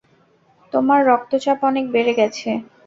তোমার রক্তচাপ অনেক বেড়ে গেছে।